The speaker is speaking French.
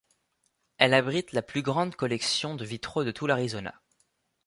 Elle abrite la plus grande collection de vitraux de tout l'Arizona.